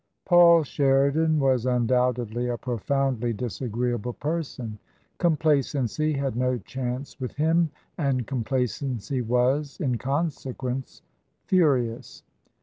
Paul Sheridan was undoubtedly a profoundly dis agreeable person. Complacency had no chance with him, and complacency was, in consequence, furious.